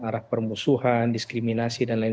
arah permusuhan diskriminasi dan lain